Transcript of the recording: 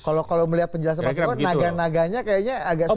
kalau melihat penjelasan pak soekar naganya kayaknya agak susah